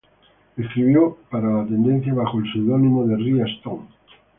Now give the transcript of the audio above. Escribió para la tendencia bajo el seudónimo de Ria Stone.